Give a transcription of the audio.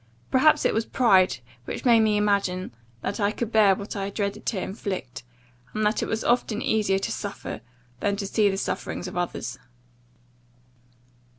Perhaps it was pride which made me imagine, that I could bear what I dreaded to inflict; and that it was often easier to suffer, than to see the sufferings of others.